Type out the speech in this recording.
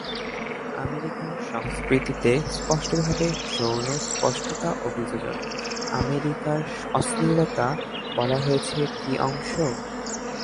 American সংস্কৃতিতে স্পষ্টভাবে যৌন স্পষ্টতা অভিযোজন "আমেরিকার অশ্লীলতা" বলা হয়েছে কি অংশ।